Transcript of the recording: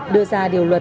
đưa ra điều luận